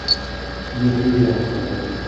Il riait en se voyant.